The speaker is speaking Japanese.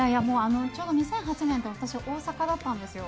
ちょうど２００８年って私、大阪だったんですよ。